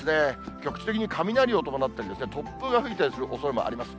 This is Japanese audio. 局地的に雷を伴ったり、突風が吹いたりするおそれもあります。